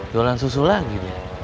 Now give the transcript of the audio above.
jualan susu lagi